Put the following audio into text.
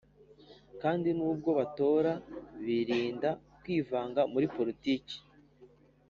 kandi nubwo batora birinda kwivanga muri politiki.